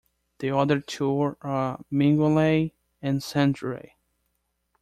The other two are Mingulay and Sandray.